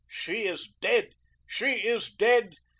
She is dead! She is dead!